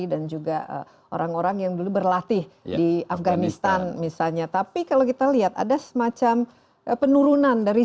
dan ledah ledahnya effective seperti ini